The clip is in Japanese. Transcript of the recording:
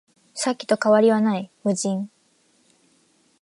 さっきと変わりはない、無人